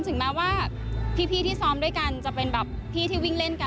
ถึงแม้ว่าพี่ที่ซ้อมด้วยกันจะเป็นแบบพี่ที่วิ่งเล่นกัน